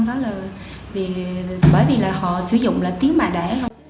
vì bởi vì là họ sử dụng là tiếng mẹ đẻ